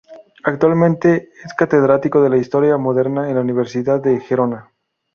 Actualmente es catedrático de Historia Moderna en la Universidad de Gerona.